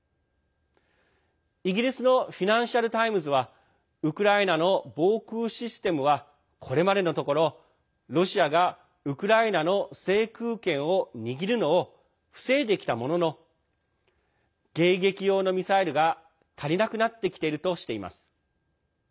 イギリスのフィナンシャル・タイムズはウクライナの防空システムはこれまでのところ、ロシアがウクライナの制空権を握るのを防いできたものの迎撃用のミサイルが足りなくなってきているとしています。